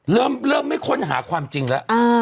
เริ่มไม่ค้นหาความจริงแล้ว